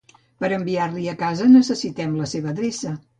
Per enviar-li a casa necessitem la seva adreça.